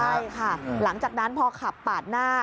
ใช่ค่ะหลังจากนั้นพอขับปาดหน้า